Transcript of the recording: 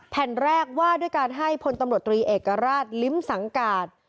แผ่นแรกว่าด้วยการให้พลตำรวจตรีเอกราชลิ้มสังกาศ